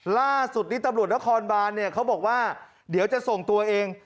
ล่าสุดนี้ตำรวจนครบานเนี่ยเขาบอกว่าเดี๋ยวจะส่งตัวเอง